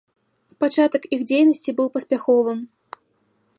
Пачатак іх дзейнасці быў паспяховым.